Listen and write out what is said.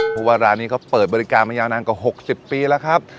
เพราะว่าร้านนี้เขาเปิดบริการมายาวนานกว่า๖๐ปีแล้วครับ